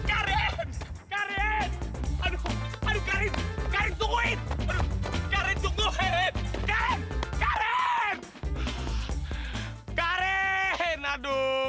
aduh karin tuh